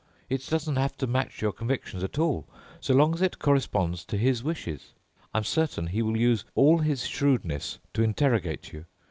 It doesn't have to match your convictions at all, so long as it corresponds to his wishes. I'm certain he will use all his shrewdness to interrogate you.